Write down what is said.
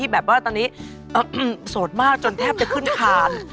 แบบว่าตอนนี้โสดมากจนแทบจะขึ้นคาน